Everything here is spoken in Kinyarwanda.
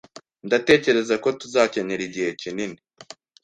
Ndatekereza ko tuzakenera igihe kinini.